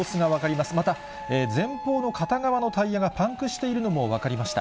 また、前方の片側のタイヤがパンクしているのも分かりました。